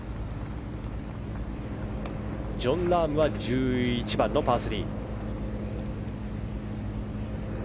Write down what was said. ジョン・ラームは１１番のパー３。